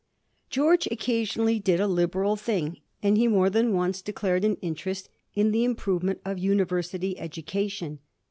George occasionally did a liberal thing, and he more than once professed a strong in terest in the improvement of university education.